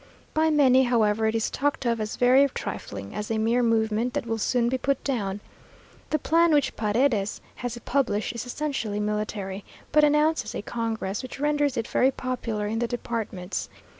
By many, however, it is talked of as very trifling, as a mere movement that will soon be put down. The plan which Paredes has published is essentially military, but announces a congress, which renders it very popular in the departments.